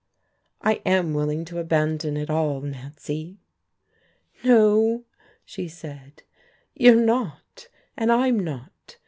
"I am willing to abandon it all, Nancy." "No," she said, "you're not, and I'm not.